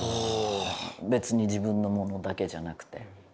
別に自分のものだけじゃなくて。